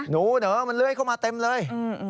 หนูเหอะมันเลื่อยเข้ามาเต็มเลย